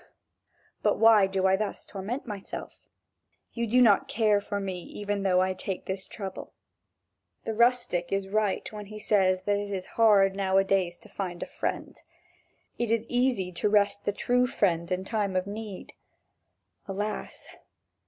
But why do I thus torment myself? You do not care for me even enough to take this trouble. The rustic is right when he says that it is hard nowadays to find a friend! It is easy to rest the true friend in time of need. Alas!